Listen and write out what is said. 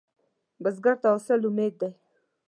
بزګر ته حاصل امید دی